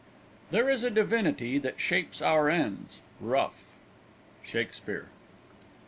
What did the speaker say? There is a divinity that shapes our ends, Rough SHAKSPEARE.